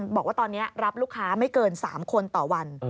บอกว่าตอนนี้รับลูกค้าไม่เกิน๓คนต่อวัน